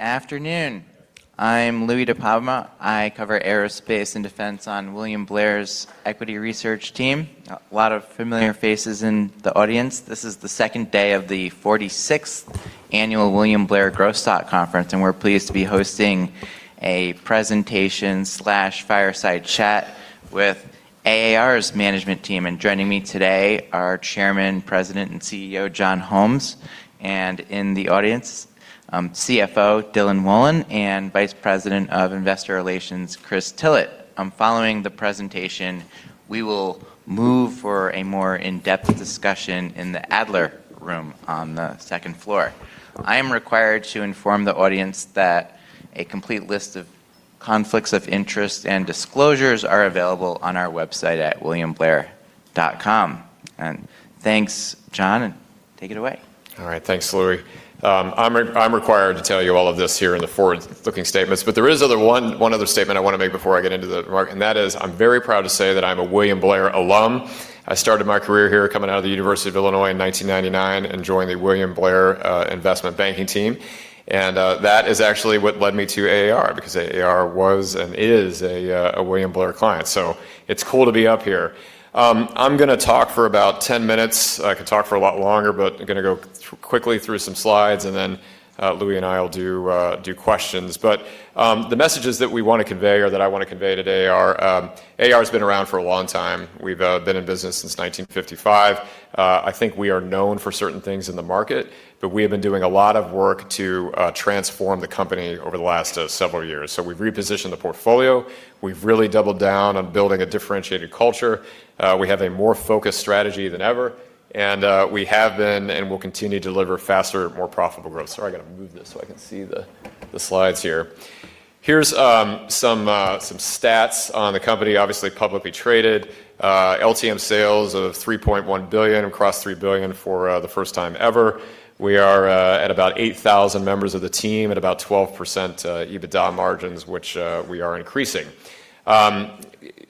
Good afternoon. I'm Louie DiPalma. I cover aerospace and defense on William Blair's equity research team. A lot of familiar faces in the audience. This is the second day of the 46th Annual William Blair Growth Stock Conference, and we're pleased to be hosting a presentation/fireside chat with AAR's management team. Joining me today are Chairman, President, and CEO, John Holmes, and in the audience, CFO Dylan Wolin, and Vice President of Investor Relations, Chris Tillett. Following the presentation, we will move for a more in-depth discussion in the Adler Room on the second floor. I am required to inform the audience that a complete list of conflicts of interest and disclosures are available on our website at williamblair.com. Thanks, John, take it away. All right. Thanks, Louie. I'm required to tell you all of this here in the forward-looking statements, there is one other statement I want to make before I get into the remark, and that is I'm very proud to say that I'm a William Blair alum. I started my career here coming out of the University of Illinois in 1999 and joined the William Blair investment banking team, and that is actually what led me to AAR because AAR was and is a William Blair client. It's cool to be up here. I'm going to talk for about 10 minutes. I could talk for a lot longer, but I'm going to go quickly through some slides and then Louie and I will do questions. The messages that we want to convey or that I want to convey today are, AAR's been around for a long time. We've been in business since 1955. I think we are known for certain things in the market, but we have been doing a lot of work to transform the company over the last several years. We've repositioned the portfolio. We've really doubled down on building a differentiated culture. We have a more focused strategy than ever, and we have been and will continue to deliver faster, more profitable growth. Sorry, I got to move this so I can see the slides here. Here's some stats on the company, obviously publicly traded, LTM sales of $3.1 billion. We crossed $3 billion for the first time ever. We are at about 8,000 members of the team at about 12% EBITDA margins, which we are increasing.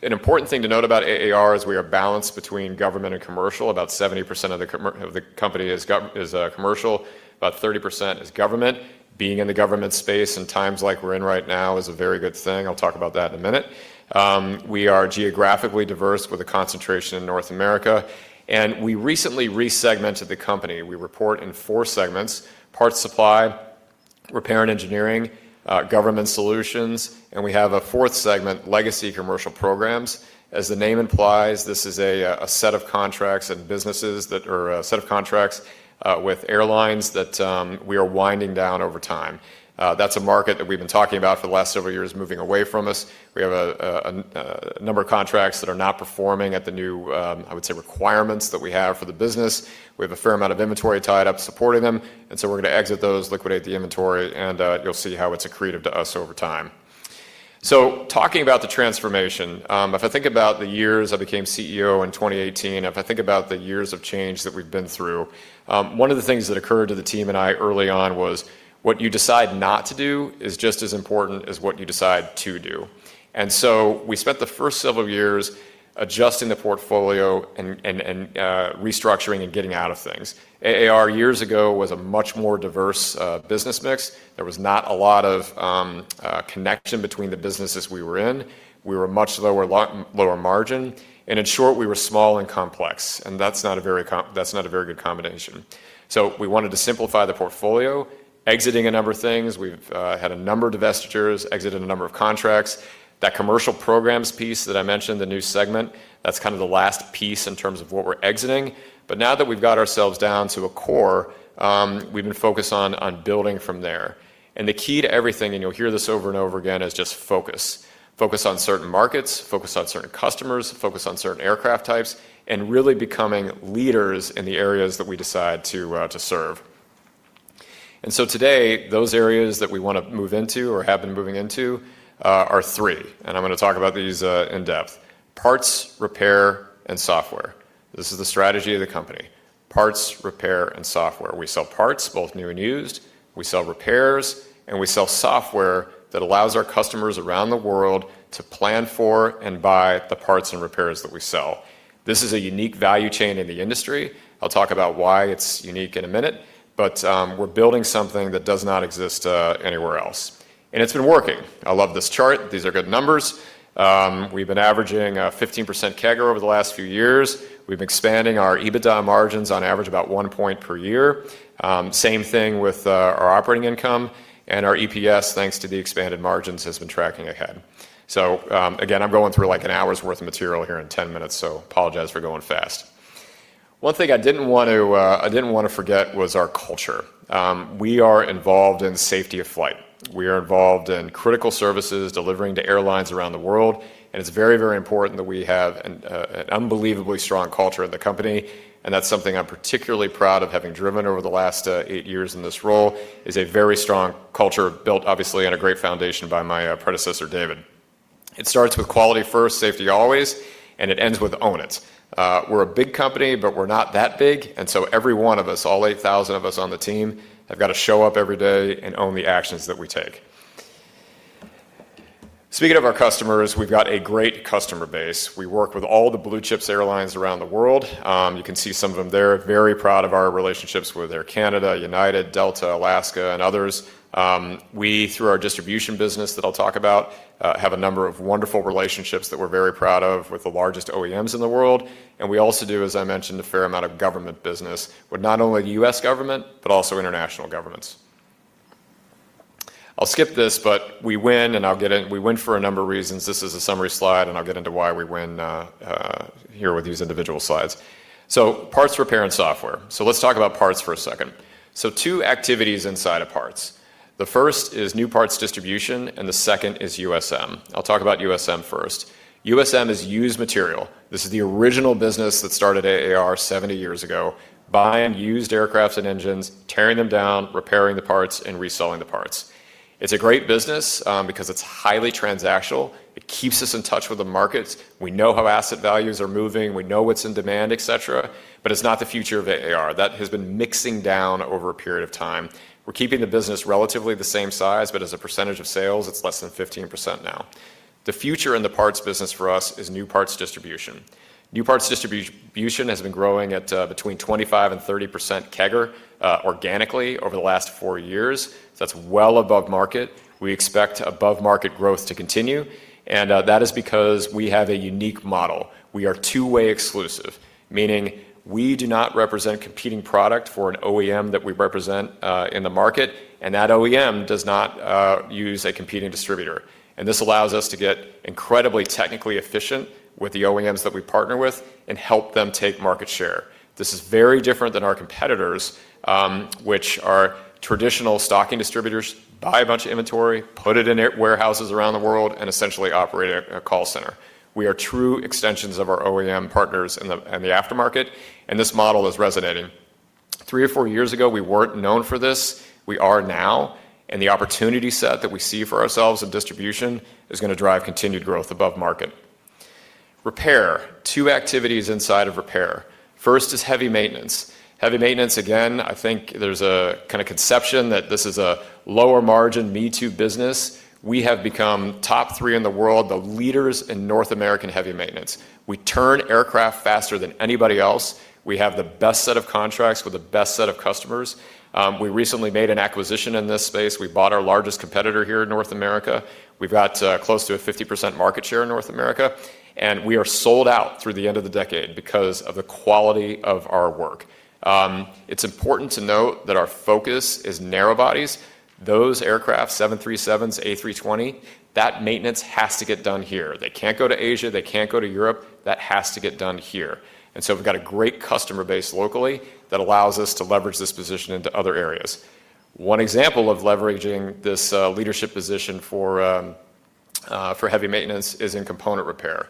An important thing to note about AAR is we are balanced between government and commercial. About 70% of the company is commercial, about 30% is government. Being in the government space in times like we're in right now is a very good thing. I'll talk about that in a minute. We are geographically diverse with a concentration in North America, and we recently resegmented the company. We report in four segments: Parts Supply, Repair and Engineering, Government Solutions, and we have a fourth segment, Legacy Commercial Programs. As the name implies, this is a set of contracts and businesses that are a set of contracts with airlines that we are winding down over time. That's a market that we've been talking about for the last several years moving away from us. We have a number of contracts that are not performing at the new, I would say, requirements that we have for the business. We have a fair amount of inventory tied up supporting them. We're going to exit those, liquidate the inventory, and you'll see how it's accretive to us over time. Talking about the transformation, if I think about the years I became CEO in 2018, if I think about the years of change that we've been through, one of the things that occurred to the team and I early on was what you decide not to do is just as important as what you decide to do. We spent the first several years adjusting the portfolio and restructuring and getting out of things. AAR years ago was a much more diverse business mix. There was not a lot of connection between the businesses we were in. We were much lower margin, and in short, we were small and complex. That's not a very good combination. We wanted to simplify the portfolio, exiting a number of things. We've had a number of divestitures, exited a number of contracts. That commercial programs piece that I mentioned, the new segment, that's kind of the last piece in terms of what we're exiting. Now that we've got ourselves down to a core, we've been focused on building from there. The key to everything, and you'll hear this over and over again, is just focus. Focus on certain markets, focus on certain customers, focus on certain aircraft types, and really becoming leaders in the areas that we decide to serve. Today, those areas that we want to move into or have been moving into are three, and I'm going to talk about these in depth. Parts, repair, and software. This is the strategy of the company, parts, repair, and software. We sell parts, both new and used, we sell repairs, and we sell software that allows our customers around the world to plan for and buy the parts and repairs that we sell. This is a unique value chain in the industry. I'll talk about why it's unique in a minute, but we're building something that does not exist anywhere else, and it's been working. I love this chart. These are good numbers. We've been averaging a 15% CAGR over the last few years. We've been expanding our EBITDA margins on average about one point per year. Same thing with our operating income, and our EPS, thanks to the expanded margins, has been tracking ahead. Again, I'm going through like an hour's worth of material here in 10 minutes, so apologize for going fast. One thing I didn't want to forget was our culture. We are involved in safety of flight. We are involved in critical services delivering to airlines around the world, and it's very important that we have an unbelievably strong culture at the company, and that's something I'm particularly proud of having driven over the last 8 years in this role, is a very strong culture built obviously on a great foundation by my predecessor, David. It starts with Quality First, Safety Always, and it ends with Own It. We're a big company, but we're not that big, and so every one of us, all 8,000 of us on the team, have got to show up every day and own the actions that we take. Speaking of our customers, we've got a great customer base. We work with all the blue-chips airlines around the world. You can see some of them there. Very proud of our relationships with Air Canada, United, Delta, Alaska, and others. We, through our distribution business that I'll talk about, have a number of wonderful relationships that we're very proud of with the largest OEMs in the world. We also do, as I mentioned, a fair amount of government business with not only the U.S. government, but also international governments. I'll skip this, but we win. We win for a number of reasons. This is a summary slide, and I'll get into why we win here with these individual slides. Parts, repair, and software. Let's talk about parts for a second. Two activities inside of parts. The first is new parts distribution, and the second is USM. I'll talk about USM first. USM is used material. This is the original business that started AAR 70 years ago, buying used aircraft and engines, tearing them down, repairing the parts, and reselling the parts. It's a great business because it's highly transactional. It keeps us in touch with the markets. We know how asset values are moving. We know what's in demand, et cetera, but it's not the future of AAR. That has been mixing down over a period of time. We're keeping the business relatively the same size, but as a % of sales, it's less than 15% now. The future in the parts business for us is new parts distribution. New parts distribution has been growing at between 25% and 30% CAGR organically over the last four years. That's well above market. We expect above-market growth to continue, and that is because we have a unique model. We are two-way exclusive, meaning we do not represent competing product for an OEM that we represent in the market, and that OEM does not use a competing distributor. This allows us to get incredibly technically efficient with the OEMs that we partner with and help them take market share. This is very different than our competitors, which are traditional stocking distributors, buy a bunch of inventory, put it in warehouses around the world, and essentially operate a call center. We are true extensions of our OEM partners in the aftermarket, and this model is resonating. Three or four years ago, we weren't known for this. We are now, and the opportunity set that we see for ourselves in distribution is going to drive continued growth above market. Repair. Two activities inside of repair. First is heavy maintenance. Heavy maintenance, again, I think there's a kind of conception that this is a lower margin, me too business. We have become top three in the world, the leaders in North American heavy maintenance. We turn aircraft faster than anybody else. We have the best set of contracts with the best set of customers. We recently made an acquisition in this space. We bought our largest competitor here in North America. We've got close to a 50% market share in North America, and we are sold out through the end of the decade because of the quality of our work. It's important to note that our focus is narrow bodies. Those aircrafts, 737s, A320, that maintenance has to get done here. They can't go to Asia. They can't go to Europe. That has to get done here. We've got a great customer base locally that allows us to leverage this position into other areas. One example of leveraging this leadership position for heavy maintenance is in component repair.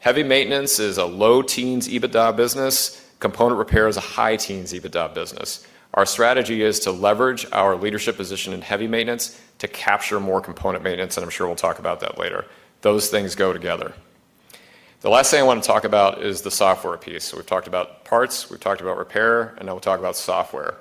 Heavy maintenance is a low teens EBITDA business. Component repair is a high teens EBITDA business. Our strategy is to leverage our leadership position in heavy maintenance to capture more component maintenance, and I'm sure we'll talk about that later. Those things go together. The last thing I want to talk about is the software piece. We've talked about parts, we've talked about repair, and now we'll talk about software.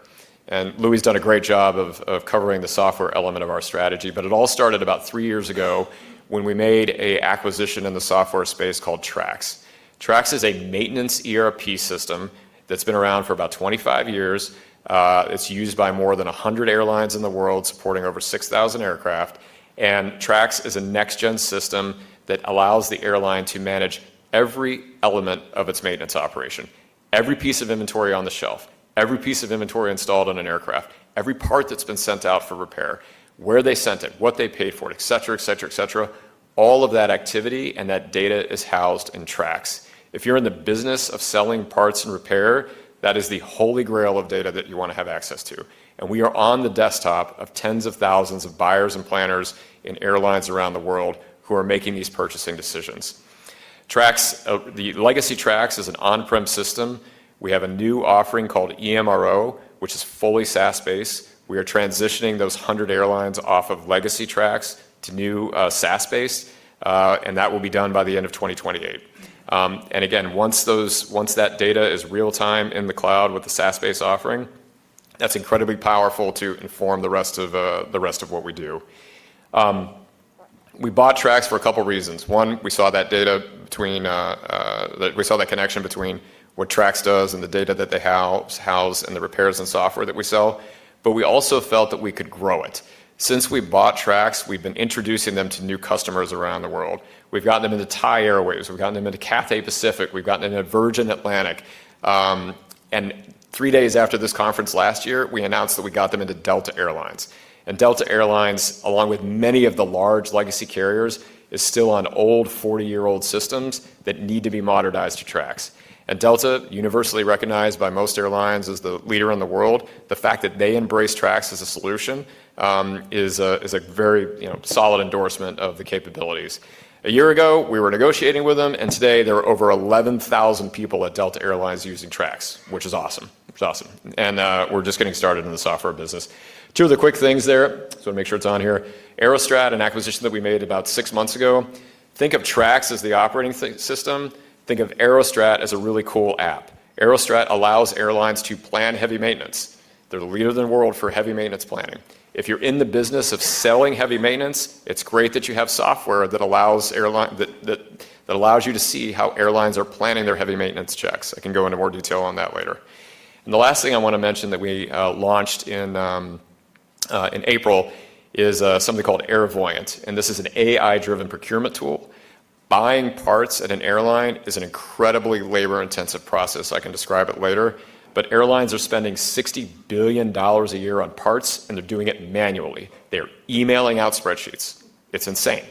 Louie's done a great job of covering the software element of our strategy. It all started about three years ago when we made an acquisition in the software space called Trax. Trax is a maintenance ERP system that's been around for about 25 years. It's used by more than 100 airlines in the world supporting over 6,000 aircraft. Trax is a next-gen system that allows the airline to manage every element of its maintenance operation, every piece of inventory on the shelf, every piece of inventory installed on an aircraft, every part that's been sent out for repair, where they sent it, what they paid for it, et cetera, et cetera, et cetera. All of that activity and that data is housed in Trax. If you're in the business of selling parts and repair, that is the holy grail of data that you want to have access to. We are on the desktop of tens of thousands of buyers and planners in airlines around the world who are making these purchasing decisions. The legacy Trax is an on-prem system. We have a new offering called eMRO, which is fully SaaS-based. We are transitioning those 100 airlines off of legacy Trax to new SaaS-based, and that will be done by the end of 2028. Again, once that data is real time in the cloud with the SaaS-based offering, that's incredibly powerful to inform the rest of what we do. We bought Trax for a couple of reasons. One, we saw that connection between what Trax does and the data that they house and the repairs and software that we sell. We also felt that we could grow it. Since we bought Trax, we've been introducing them to new customers around the world. We've gotten them into Thai Airways, we've gotten them into Cathay Pacific, we've gotten them into Virgin Atlantic. Three days after this conference last year, we announced that we got them into Delta Air Lines. Delta Air Lines, along with many of the large legacy carriers, is still on old 40-year-old systems that need to be modernized to Trax. Delta, universally recognized by most airlines as the leader in the world, the fact that they embrace Trax as a solution is a very solid endorsement of the capabilities. A year ago, we were negotiating with them, and today there are over 11,000 people at Delta Air Lines using Trax, which is awesome. It's awesome. We're just getting started in the software business. Two of the quick things there. Just want to make sure it's on here. Aerostrat, an acquisition that we made about six months ago. Think of Trax as the operating system. Think of Aerostrat as a really cool app. Aerostrat allows airlines to plan heavy maintenance. They're the leader of the world for heavy maintenance planning. If you're in the business of selling heavy maintenance, it's great that you have software that allows you to see how airlines are planning their heavy maintenance checks. I can go into more detail on that later. The last thing I want to mention that we launched in April is something called Airvoyant, and this is an AI-driven procurement tool. Buying parts at an airline is an incredibly labor-intensive process. I can describe it later, but airlines are spending $60 billion a year on parts, and they're doing it manually. They're emailing out spreadsheets. It's insane.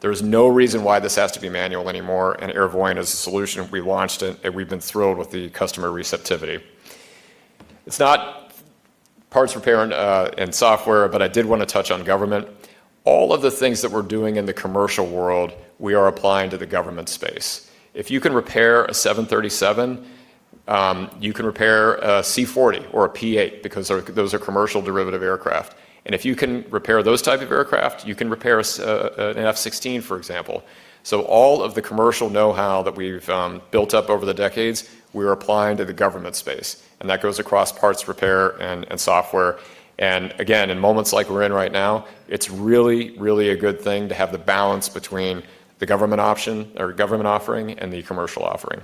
There's no reason why this has to be manual anymore, and Airvoyant is a solution. We launched it, and we've been thrilled with the customer receptivity. It's not parts repair and software, but I did want to touch on government. All of the things that we're doing in the commercial world, we are applying to the government space. If you can repair a 737, you can repair a C-40 or a P-8 because those are commercial derivative aircraft. If you can repair those type of aircraft, you can repair an F-16, for example. All of the commercial knowhow that we've built up over the decades, we're applying to the government space, and that goes across parts repair and software. Again, in moments like we're in right now, it's really, really a good thing to have the balance between the government option or government offering and the commercial offering.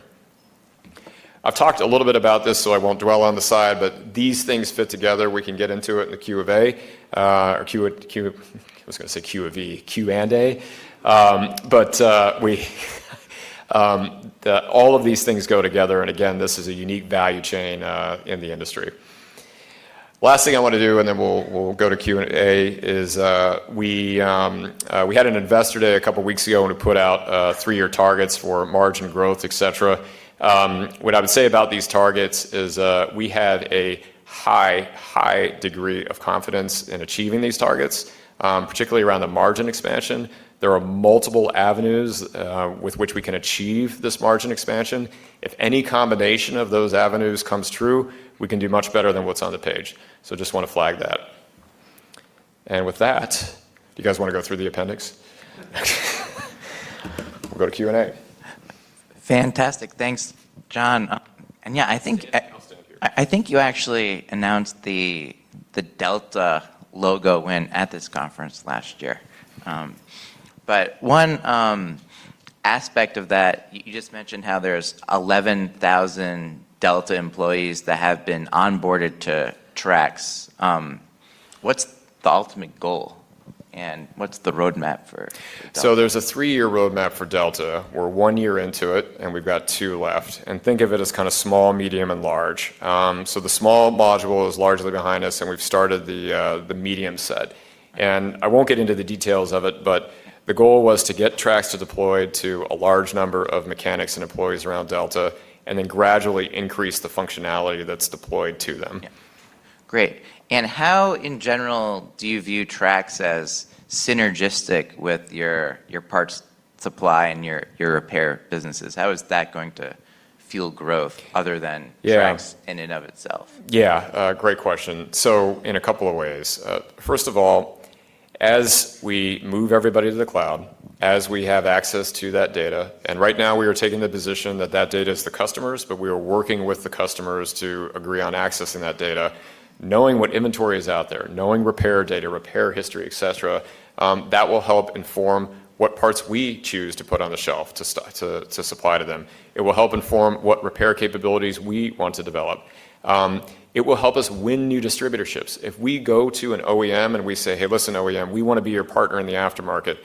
I've talked a little bit about this, so I won't dwell on the side, but these things fit together. We can get into it in the Q of A, or Q&A. All of these things go together, and again, this is a unique value chain in the industry. Last thing I want to do, and then we'll go to Q&A, is we had an investor day a couple of weeks ago, and we put out three-year targets for margin growth, et cetera. What I would say about these targets is we have a high degree of confidence in achieving these targets, particularly around the margin expansion. There are multiple avenues with which we can achieve this margin expansion. If any combination of those avenues comes true, we can do much better than what's on the page. Just want to flag that. With that, do you guys want to go through the appendix? We'll go to Q&A. Fantastic. Thanks, John. Yeah. I'll stand here. I think you actually announced the Delta logo win at this conference last year. One aspect of that, you just mentioned how there's 11,000 Delta employees that have been onboarded to Trax. What's the ultimate goal, and what's the roadmap for Delta? There's a three-year roadmap for Delta. We're one year into it, and we've got two left. Think of it as kind of small, medium, and large. The small module is largely behind us, and we've started the medium set. I won't get into the details of it, but the goal was to get Trax to deploy to a large number of mechanics and employees around Delta and then gradually increase the functionality that's deployed to them. Yeah. Great. How, in general, do you view Trax as synergistic with your parts supply and your repair businesses? How is that going to fuel growth other than? Yeah Trax in and of itself? Yeah. Great question. In a couple of ways. First of all, as we move everybody to the cloud, as we have access to that data, and right now we are taking the position that that data is the customers, but we are working with the customers to agree on accessing that data. Knowing what inventory is out there, knowing repair data, repair history, et cetera, that will help inform what parts we choose to put on the shelf to supply to them. It will help inform what repair capabilities we want to develop. It will help us win new distributorships. If we go to an OEM and we say, "Hey, listen, OEM, we want to be your partner in the aftermarket.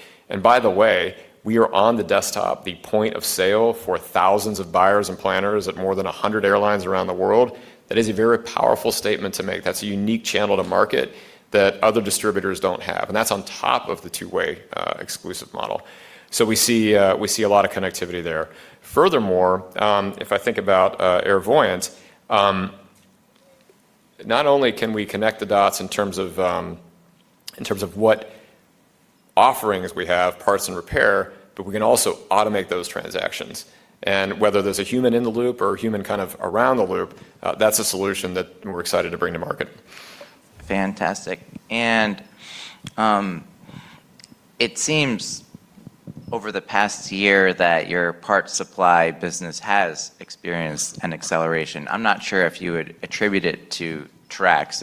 By the way, we are on the desktop, the point of sale for thousands of buyers and planners at more than 100 airlines around the world," that is a very powerful statement to make. That's a unique channel to market that other distributors don't have, and that's on top of the two-way exclusive model. We see a lot of connectivity there. Furthermore, if I think about Airvoyant, not only can we connect the dots in terms of what offerings we have, parts, and repair, but we can also automate those transactions. Whether there's a human in the loop or a human kind of around the loop, that's a solution that we're excited to bring to market. Fantastic. It seems over the past year that your parts supply business has experienced an acceleration. I'm not sure if you would attribute it to Trax.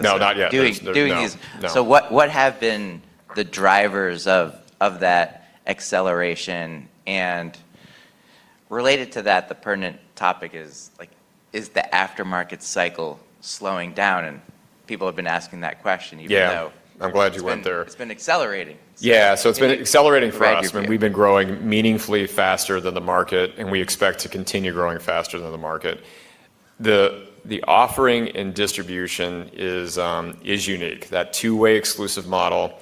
No, not yet. Doing these. No. What have been the drivers of that acceleration? Related to that, the pertinent topic is the aftermarket cycle slowing down? People have been asking that question even though. Yeah. I'm glad you went there. It's been accelerating. Yeah. It's been accelerating for us. Right. We've been growing meaningfully faster than the market. We expect to continue growing faster than the market. The offering and distribution is unique. That two-way exclusive model,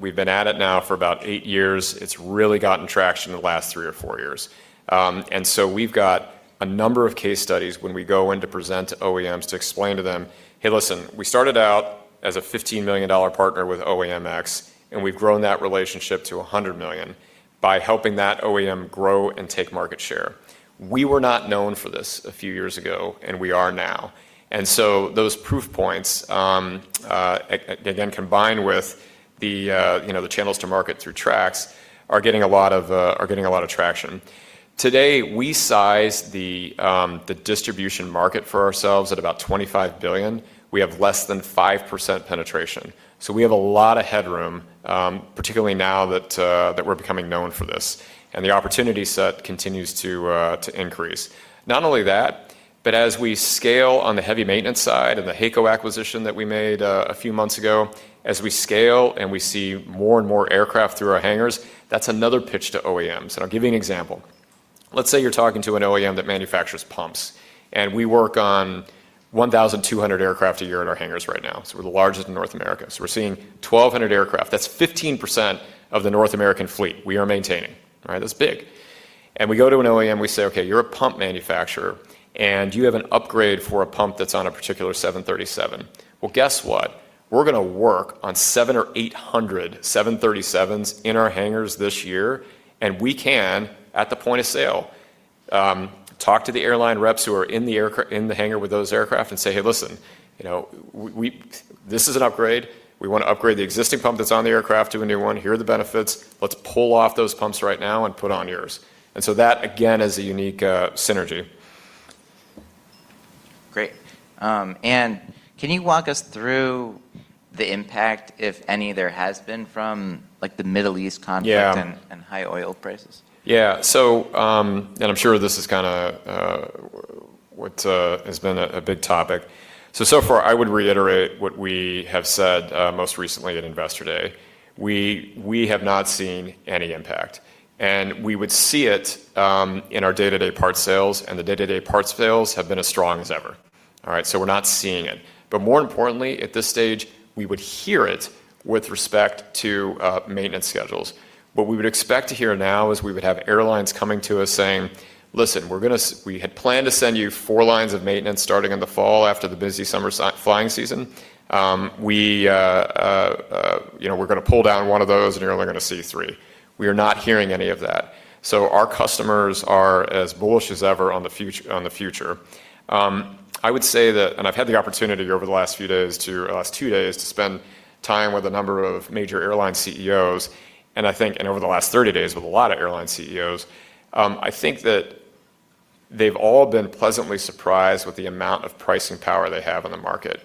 we've been at it now for about eight years. It's really gotten traction in the last three or four years. We've got a number of case studies when we go in to present to OEMs to explain to them, "Hey, listen, we started out as a $15 million partner with OEM X. We've grown that relationship to $100 million by helping that OEM grow and take market share." We were not known for this a few years ago. We are now. Those proof points, again, combined with the channels to market through Trax, are getting a lot of traction. Today, we size the distribution market for ourselves at about $25 billion. We have less than 5% penetration. We have a lot of headroom, particularly now that we're becoming known for this, and the opportunity set continues to increase. Not only that, but as we scale on the heavy maintenance side and the HAECO acquisition that we made a few months ago, as we scale and we see more and more aircraft through our hangars, that's another pitch to OEMs. I'll give you an example. Let's say you're talking to an OEM that manufactures pumps, and we work on 1,200 aircraft a year in our hangars right now. We're the largest in North America. We're seeing 1,200 aircraft. That's 15% of the North American fleet we are maintaining. That's big. We go to an OEM, we say, "Okay, you're a pump manufacturer, and you have an upgrade for a pump that's on a particular 737. Guess what? We're going to work on 700 or 800 737s in our hangars this year. We can, at the point of sale, talk to the airline reps who are in the hangar with those aircraft and say, 'Hey, listen. This is an upgrade. We want to upgrade the existing pump that's on the aircraft to a new one. Here are the benefits. Let's pull off those pumps right now and put on yours.' That, again, is a unique synergy. Great. Can you walk us through the impact, if any, there has been from the Middle East conflict? Yeah High oil prices? Yeah. I'm sure this is kind of what has been a big topic. So far I would reiterate what we have said most recently at Investor Day. We have not seen any impact, we would see it in our day-to-day parts sales, the day-to-day parts sales have been as strong as ever. All right? We're not seeing it. More importantly, at this stage, we would hear it with respect to maintenance schedules. What we would expect to hear now is we would have airlines coming to us saying, "Listen, we had planned to send you four lines of maintenance starting in the fall after the busy summer flying season. We're going to pull down one of those, and you're only going to see three." We are not hearing any of that. Our customers are as bullish as ever on the future. I would say that, and I've had the opportunity over the last two days to spend time with a number of major airline CEOs, and I think, and over the last 30 days with a lot of airline CEOs, I think that they've all been pleasantly surprised with the amount of pricing power they have on the market.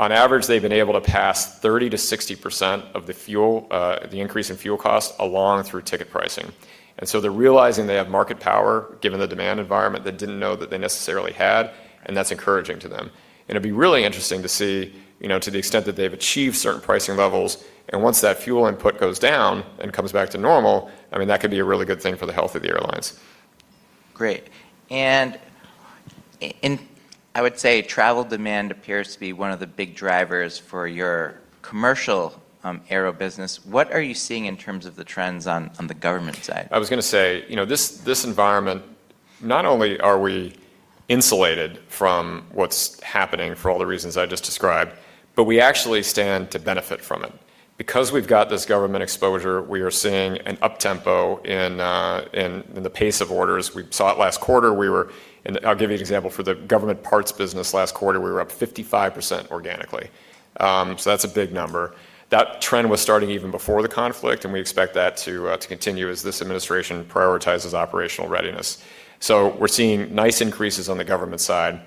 On average, they've been able to pass 30%-60% of the increase in fuel costs along through ticket pricing. They're realizing they have market power, given the demand environment, they didn't know that they necessarily had, and that's encouraging to them. It'd be really interesting to see, to the extent that they've achieved certain pricing levels, and once that fuel input goes down and comes back to normal, that could be a really good thing for the health of the airlines. Great. I would say travel demand appears to be one of the big drivers for your commercial aero business. What are you seeing in terms of the trends on the government side? I was going to say, this environment, not only are we insulated from what's happening for all the reasons I just described, but we actually stand to benefit from it. Because we've got this government exposure, we are seeing an up-tempo in the pace of orders. We saw it last quarter. I'll give you an example. For the government parts business last quarter, we were up 55% organically. That's a big number. That trend was starting even before the conflict, and we expect that to continue as this administration prioritizes operational readiness. We're seeing nice increases on the government side.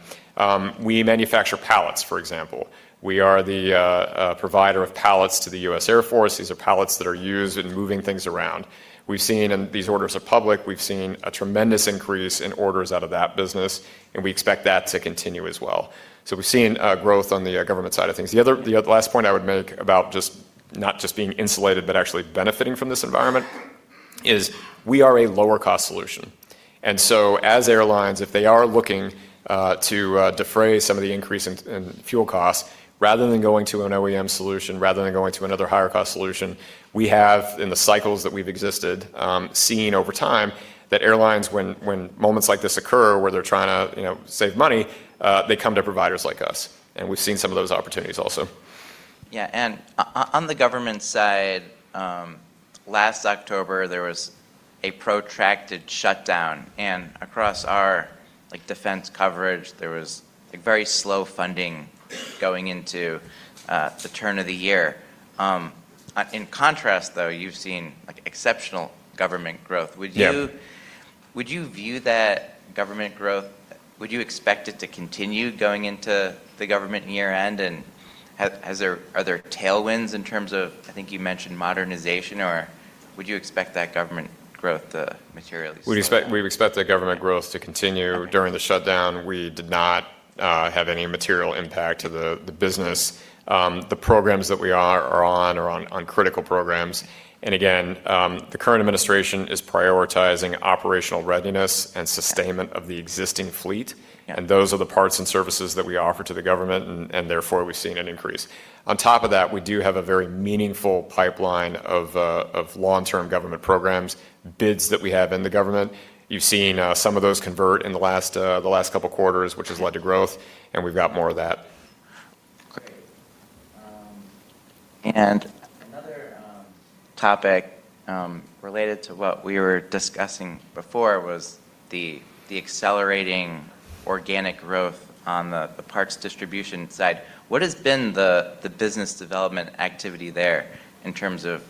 We manufacture pallets, for example. We are the provider of pallets to the U.S. Air Force. These are pallets that are used in moving things around. These orders are public. We've seen a tremendous increase in orders out of that business, and we expect that to continue as well. We've seen growth on the government side of things. The last point I would make about not just being insulated but actually benefiting from this environment is we are a lower-cost solution. As airlines, if they are looking to defray some of the increase in fuel costs, rather than going to an OEM solution, rather than going to another higher-cost solution, we have, in the cycles that we've existed, seen over time that airlines, when moments like this occur where they're trying to save money, they come to providers like us, and we've seen some of those opportunities also. Yeah. On the government side, last October, there was a protracted shutdown, and across our defense coverage, there was very slow funding going into the turn of the year. In contrast, though, you've seen exceptional government growth. Yeah. Would you view that government growth, would you expect it to continue going into the government year-end, and are there tailwinds in terms of, I think you mentioned modernization, or would you expect that government growth to materially slow down? We expect the government growth to continue. Okay. During the shutdown, we did not have any material impact to the business. The programs that we are on are on critical programs. Again, the current administration is prioritizing operational readiness and sustainment of the existing fleet, and those are the parts and services that we offer to the government, and therefore we've seen an increase. On top of that, we do have a very meaningful pipeline of long-term government programs, bids that we have in the government. You've seen some of those convert in the last couple of quarters, which has led to growth, and we've got more of that. Another topic related to what we were discussing before was the accelerating organic growth on the parts distribution side. What has been the business development activity there in terms of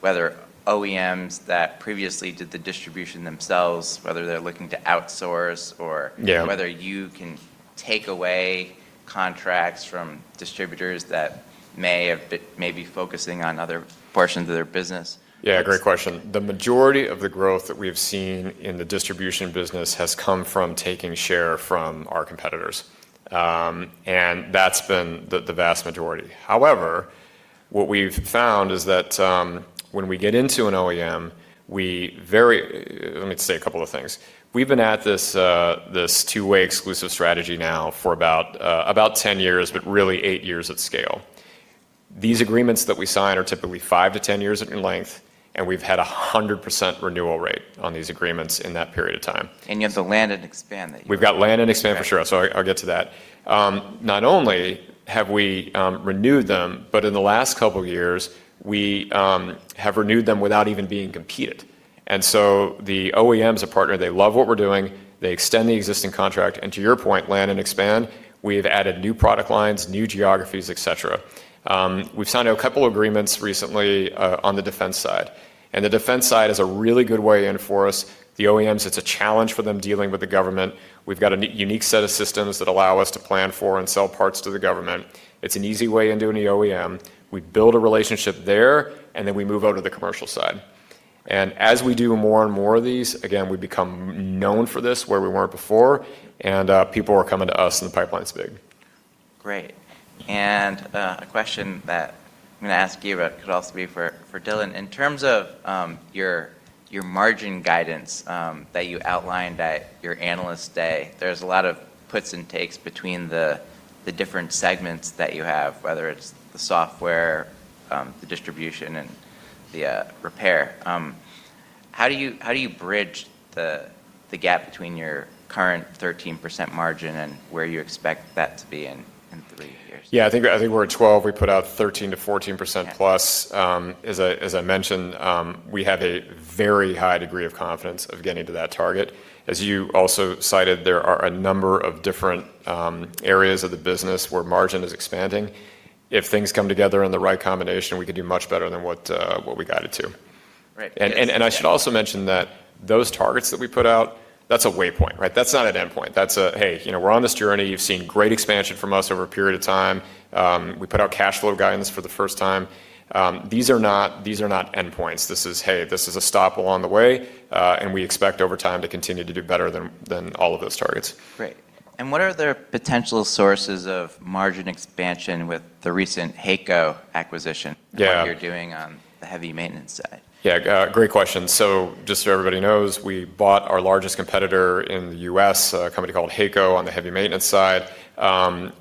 whether OEMs that previously did the distribution themselves, whether they're looking to outsource or? Yeah Whether you can take away contracts from distributors that may be focusing on other portions of their business? Yeah, great question. The majority of the growth that we have seen in the distribution business has come from taking share from our competitors. That's been the vast majority. However, what we've found is that when we get into an OEM, let me say a couple of things. We've been at this two-way exclusive strategy now for about 10 years, but really eight years at scale. These agreements that we sign are typically 5-10 years in length, and we've had 100% renewal rate on these agreements in that period of time. You have the land and expand. We've got land and expand, for sure. I'll get to that. Not only have we renewed them, but in the last couple of years, we have renewed them without even being competed. The OEM's a partner, they love what we're doing, they extend the existing contract, and to your point, land and expand, we have added new product lines, new geographies, et cetera. We've signed a couple agreements recently on the defense side, and the defense side is a really good way in for us. The OEMs, it's a challenge for them dealing with the government. We've got a unique set of systems that allow us to plan for and sell parts to the government. It's an easy way into an OEM. We build a relationship there, and then we move over to the commercial side. As we do more and more of these, again, we become known for this, where we weren't before. People are coming to us, and the pipeline's big. Great. A question that I'm going to ask you, but it could also be for Dylan. In terms of your margin guidance that you outlined at your Analyst Day, there's a lot of puts and takes between the different segments that you have, whether it's the software, the distribution, and the repair. How do you bridge the gap between your current 13% margin and where you expect that to be in three years? Yeah, I think we're at 12. We put out 13%-14%+. Yeah. As I mentioned, we have a very high degree of confidence of getting to that target. As you also cited, there are a number of different areas of the business where margin is expanding. If things come together in the right combination, we could do much better than what we guided to. Right. I should also mention that those targets that we put out, that's a waypoint, right. That's not an endpoint. That's a, "Hey, we're on this journey. You've seen great expansion from us over a period of time. We put out cash flow guidance for the first time." These are not endpoints. This is, "Hey, this is a stop along the way, and we expect over time to continue to do better than all of those targets. Great. What are the potential sources of margin expansion with the recent HAECO acquisition? Yeah What you're doing on the heavy maintenance side? Yeah, great question. Just so everybody knows, we bought our largest competitor in the U.S., a company called HAECO, on the heavy maintenance side.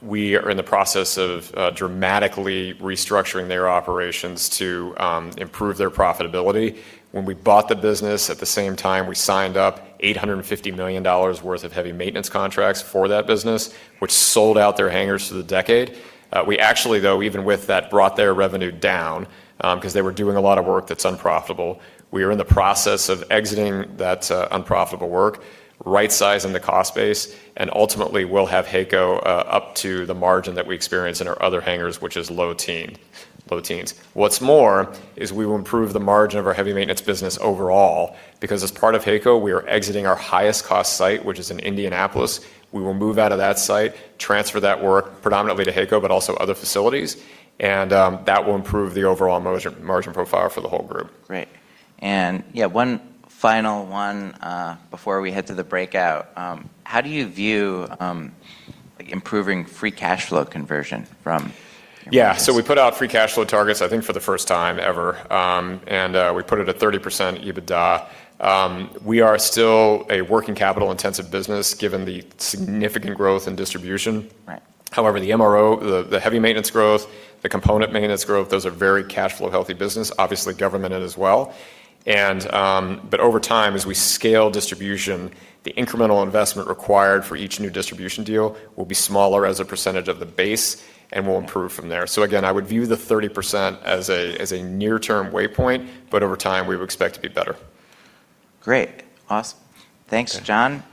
We are in the process of dramatically restructuring their operations to improve their profitability. When we bought the business, at the same time, we signed up $850 million worth of heavy maintenance contracts for that business, which sold out their hangars through the decade. We actually, though, even with that, brought their revenue down because they were doing a lot of work that's unprofitable. We are in the process of exiting that unprofitable work, rightsizing the cost base, and ultimately will have HAECO up to the margin that we experience in our other hangars, which is low teens. What's more is we will improve the margin of our heavy maintenance business overall, because as part of HAECO, we are exiting our highest cost site, which is in Indianapolis. We will move out of that site, transfer that work predominantly to HAECO, but also other facilities, and that will improve the overall margin profile for the whole group. Great. Yeah, one final one before we head to the breakout. How do you view improving free cash flow conversion from? We put out free cash flow targets, I think, for the first time ever, and we put it at 30% EBITDA. We are still a working capital-intensive business given the significant growth in distribution. Right. The MRO, the heavy maintenance growth, the component maintenance growth, those are very cash flow healthy business. Obviously government is as well. But over time, as we scale distribution, the incremental investment required for each new distribution deal will be smaller as a percentage of the base and will improve from there. So again, I would view the 30% as a near-term waypoint, but over time, we would expect to be better. Great. Awesome. Thanks, John.